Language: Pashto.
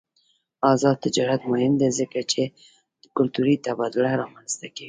آزاد تجارت مهم دی ځکه چې کلتوري تبادله رامنځته کوي.